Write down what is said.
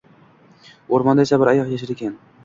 O’rmonda esa bir ayiq yashar ekan